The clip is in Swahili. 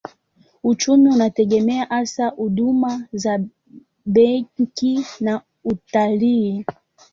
Uchumi unategemea hasa huduma za benki na utalii.